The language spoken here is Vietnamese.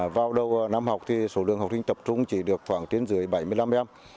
vào đầu năm học thì số lượng học sinh tập trung chỉ được khoảng trên dưới bảy mươi năm em